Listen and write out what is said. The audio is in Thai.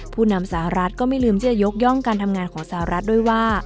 ผู้นำสหรัฐก็ไม่ลืมที่จะยกย่องการทำงานของสหรัฐด้วยว่า